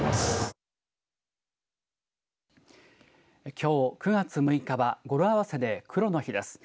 きょう９月６日は語呂合わせで黒の日です。